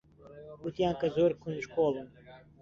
گوتیان کە زۆر کونجکۆڵن.